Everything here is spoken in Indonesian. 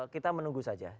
kita menunggu saja